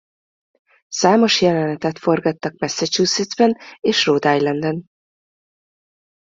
Számos jelenetet forgattak Massachusettsben és Rhode Islandon.